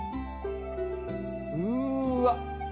うーわっ！